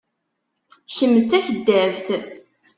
Kemm d takeddabt.